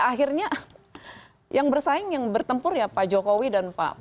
akhirnya yang bersaing yang bertempur ya pak jokowi dan pak prabowo